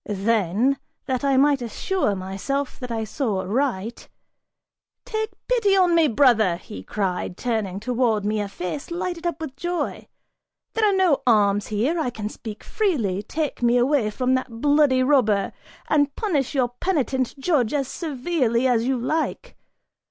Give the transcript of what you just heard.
Then, that I might assure myself that I saw aright, "Take pity on me, brother," he cried, turning towards me a face lighted up with joy, "there are no arms here, I can speak freely take me away from that bloody robber, and punish your penitent judge as severely as you like.